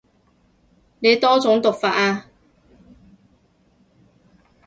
你多種讀法啊